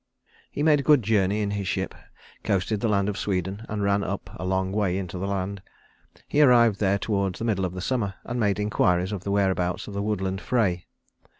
He made a good journey in his ship, coasted the land of Sweden and ran up a long way into the land. He arrived there towards the middle of the summer, and made inquiries of the whereabouts of the woodland Frey.